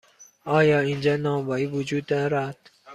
آیا اینجا نانوایی وجود دارد؟